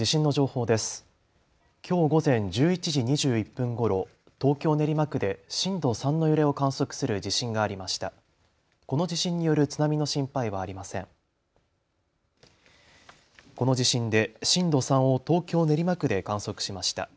この地震で震度３を東京練馬区で観測しました。